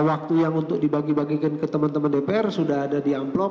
waktu yang untuk dibagi bagikan ke teman teman dpr sudah ada di amplop